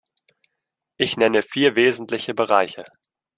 Ich nenne vier wesentliche Bereiche.